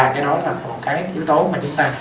cái đó là một cái yếu tố mà chúng ta